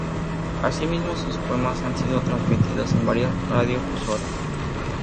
Así mismo sus poemas han sido transmitidos en varias radiodifusoras.